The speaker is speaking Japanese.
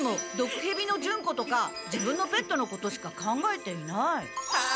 へびのジュンコとか自分のペットのことしか考えていない。